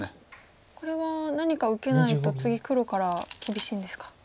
これは何か受けないと次黒から厳しいんですか。